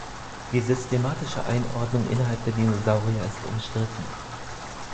Die systematische Einordnung innerhalb der Dinosaurier ist umstritten.